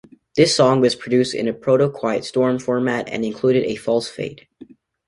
This song was produced in a proto-quiet storm format and included a false fade.